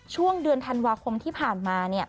ช่วงเดือนธันวาคมที่ผ่านมา